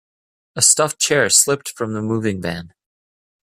A stuffed chair slipped from the moving van.